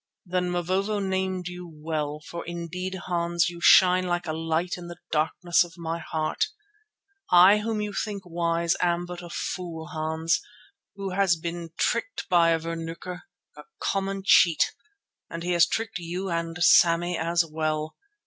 "Then Mavovo named you well, for indeed, Hans, you shine like a light in the darkness of my heart. I whom you think wise am but a fool, Hans, who has been tricked by a vernuker, a common cheat, and he has tricked you and Sammy as well.